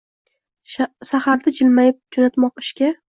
saharda jilmayib joʼnatmoq ishga